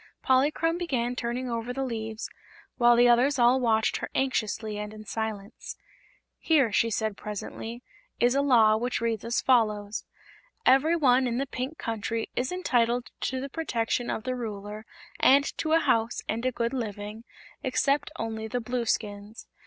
Polychrome began turning over the leaves, while the others all watched her anxiously and in silence. "Here," she said presently, "is a Law which reads as follows: 'Everyone in the Pink Country is entitled to the protection of the Ruler and to a house and a good living, except only the Blueskins.